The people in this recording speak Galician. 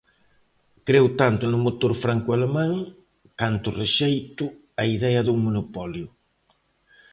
Creo tanto no motor francoalemán canto rexeito a idea dun monopolio.